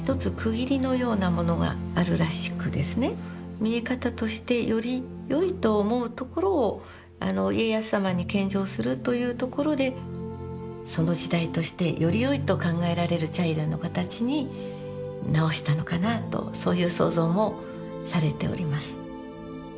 見え方としてより良いと思うところを家康様に献上するというところでその時代としてより良いと考えられる茶入の形に直したのかなあとそういう想像もされております。